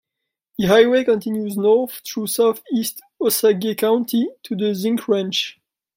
The highway continues north through southeast Osage County to the Zink Ranch.